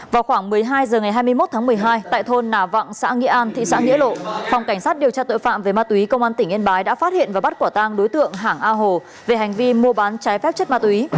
vào khoảng một mươi hai h ngày hai mươi một tháng một mươi hai tại thôn nà vặng xã nghĩa an thị xã nghĩa lộ phòng cảnh sát điều tra tội phạm về ma túy công an tỉnh yên bái đã phát hiện và bắt quả tang đối tượng hảng a hồ về hành vi mua bán trái phép chất ma túy